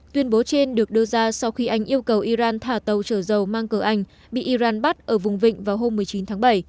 tuyên bố trên được đưa ra sau khi anh yêu cầu iran thả tàu trở dầu mang cờ anh bị iran bắt ở vùng vịnh vào hôm một mươi chín tháng bảy